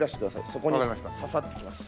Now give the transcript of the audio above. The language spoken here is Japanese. そこに刺さってきます。